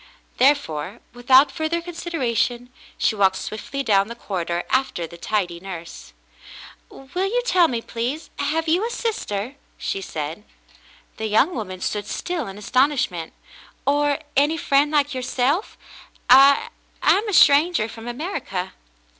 There fore, without further consideration, she walked swiftly down the corridor after the tidy nurse. "Will you tell me, please, have you a sister .f^" she said. The young woman stood still in astonishment. "Or — any friend like yourself ? I — I am a stranger from America."